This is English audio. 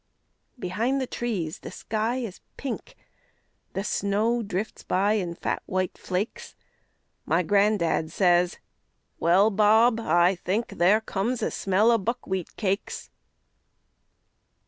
Behind the trees the sky is pink, The snow drifts by in fat white flakes, My gran'dad says: "Well, Bob, I think There comes a smell of buckwheat cakes."